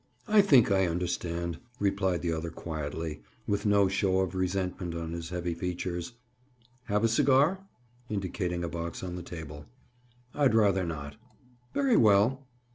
"I think I understand," replied the other quietly, with no show of resentment on his heavy features. "Have a cigar?" Indicating a box on the table. "I'd rather not." "Very well!"